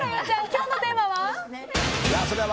今日のテーマは？